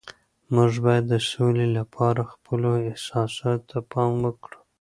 موږ باید د سولي لپاره خپلو احساساتو ته پام وکړو.